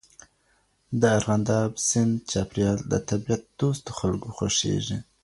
د ارغنداب سیند چاپېریال د طبیعت دوستو خلکو خوښیږي.